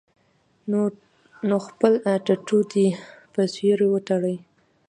نو خپل ټټو دې پۀ سيوري وتړي -